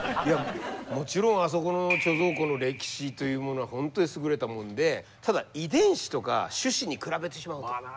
もちろんあそこの貯蔵庫の歴史というものは本当に優れたものでただ遺伝子とか種子に比べてしまうと。